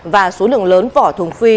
và số lượng lớn vỏ thùng phi